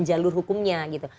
jalur hukumnya gitu